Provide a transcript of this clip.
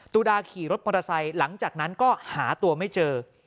ตุดาขี่รถมอเตอร์ไซค์หลังจากนั้นก็หาตัวไม่เจอ